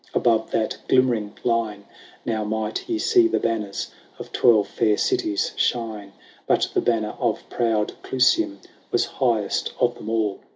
Above that glimmering line, Now might ye see the banners Of twelve fair cities shine ; But the banner of proud Clusium Was highest of them all.